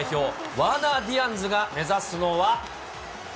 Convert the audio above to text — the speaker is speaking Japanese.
ワーナー・ディアンズが目指すのは。